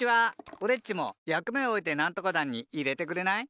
おれっちもやくめをおえてなんとか団にいれてくれない？